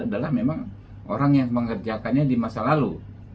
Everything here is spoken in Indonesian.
adalah memang orang yang mengerjakannya di masa lalu